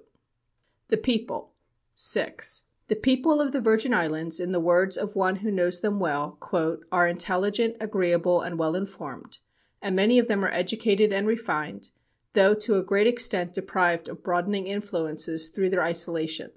VIRGIN ISLANDS] THE VIRGIN ISLANDS The People SIX The people of the Virgin Islands, in the words of one who knows them well, "are intelligent, agreeable, and well informed, and many of them are educated and refined, though to a great extent deprived of broadening influences through their isolation.